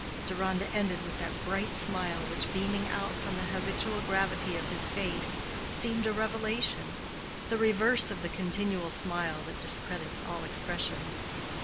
Deronda ended with that bright smile which, beaming out from the habitual gravity of his face, seemed a revelation (the reverse of the continual smile that discredits all expression).